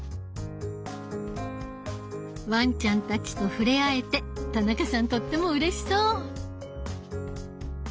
ワンちゃんたちと触れ合えて田中さんとってもうれしそう！